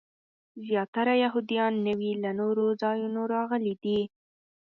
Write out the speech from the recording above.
زیاتره یهودیان نوي له نورو ځایونو راغلي دي.